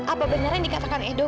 apa benar yang dikatakan edo